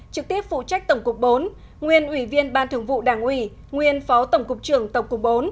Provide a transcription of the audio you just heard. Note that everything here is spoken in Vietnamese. trực tiếp phụ trách tổng cục bốn nguyên ủy viên ban thường vụ đảng ủy nguyên phó tổng cục trưởng tổng cục bốn